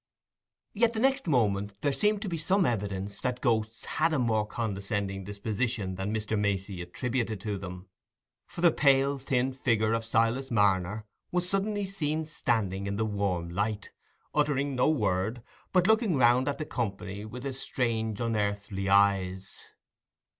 Yet the next moment there seemed to be some evidence that ghosts had a more condescending disposition than Mr. Macey attributed to them; for the pale thin figure of Silas Marner was suddenly seen standing in the warm light, uttering no word, but looking round at the company with his strange unearthly eyes.